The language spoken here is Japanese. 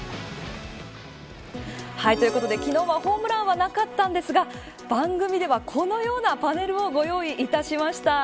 ということで昨日はホームランはなかったんですが番組ではこのようなパネルをご用意いたしました。